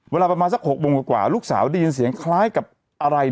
เวลาประมาณสัก๖โมงกว่าลูกสาวได้ยินเสียงคล้ายกับอะไร